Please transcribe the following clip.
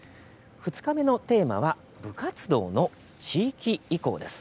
２日目のテーマは部活動の地域移行です。